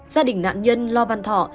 gia đình nạn nhân lo bàn thọ